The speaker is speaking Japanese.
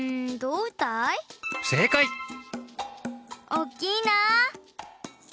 おっきいな！